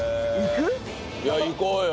いや行こうよ